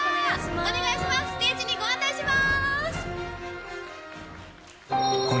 お願いします。